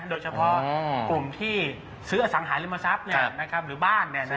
โดยเฉพาะกลุ่มที่ซื้ออสังหาริมทรัพย์เนี่ยหรือบ้านเนี่ยนะครับ